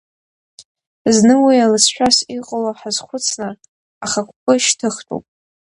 Зны уи алыҵшәас иҟало ҳазхәыцны, ахықәкы шьҭыхтәуп.